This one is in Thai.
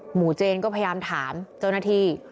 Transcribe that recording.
เจนก็พยายามถามเจ้าหน้าที่